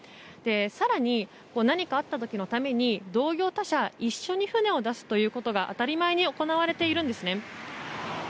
更に何かあった時のために同業他社一緒に船を出すということが当たり前に行われているんです。